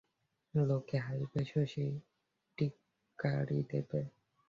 লোকে হাসবে শশী, টিটকারি দেবে।